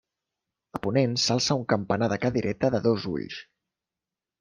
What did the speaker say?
A ponent s'alça un campanar de cadireta de dos ulls.